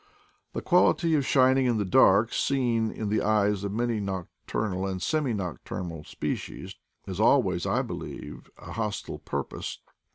The quality of shining in the dark, seen in the eyes of many nocturnal and semi nocturnal spe cies, has always, I believe, a hostile purpose.